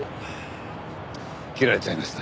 切られちゃいました。